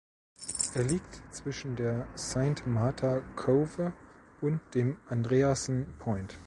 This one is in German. Er liegt zwischen der Saint Martha Cove und dem Andreassen Point.